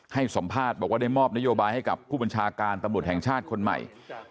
ให้สัมภาษณ์บอกว่าได้มอบนโยบายให้กับผู้บัญชาการตำรวจแห่งชาติคนใหม่